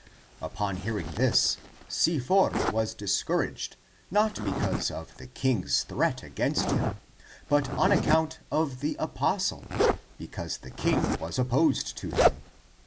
Upon hearing this, Sifor was discour aged, not because of the king's threat against him, but on account of the apostle, because the king was opposed to him.